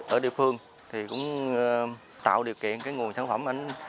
ở địa phương cũng tạo điều kiện nguồn sản phẩm